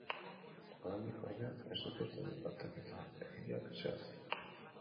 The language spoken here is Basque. Oraindik, ordea, ez dituzte datak eta hiriak zehaztu.